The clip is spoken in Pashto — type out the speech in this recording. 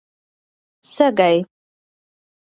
سږی